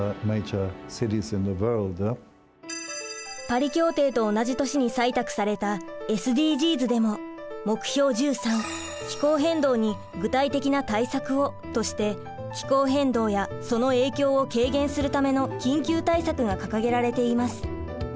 パリ協定と同じ年に採択されたＳＤＧｓでも目標１３「気候変動に具体的な対策を」として気候変動やその影響を軽減するための緊急対策が掲げられています。